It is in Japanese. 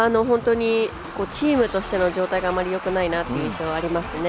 チームとしての状態がよくないなという印象はありますね。